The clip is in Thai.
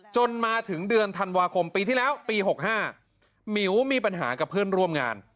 จนมาถึงเดือนธันวาคมปีที่แล้วปี๖๕มิวมีปัญหากับเพื่อนร่วมงาน